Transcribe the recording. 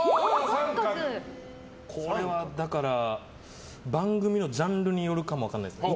これは、だから番組のジャンルによるかも分からないですけど。